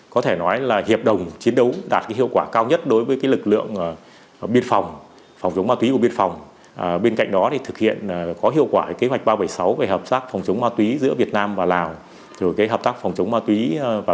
có thể nói là chúng tôi sẽ thực hiện quyết định hơn nữa